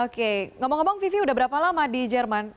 oke ngomong ngomong vivi udah berapa lama di jerman